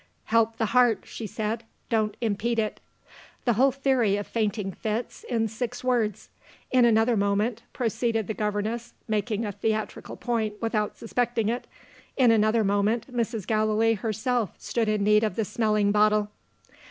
'Help the heart,' she said; 'don't impede it.' The whole theory of fainting fits, in six words! In another moment," proceeded the governess making a theatrical point without suspecting it "in another moment, Mrs. Gallilee herself stood in need of the smelling bottle."